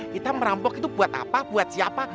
kita merampok itu buat apa buat siapa